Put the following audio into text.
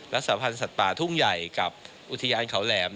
รักษาพันธ์สัตว์ป่าทุ่งใหญ่กับอุทยานเขาแหลม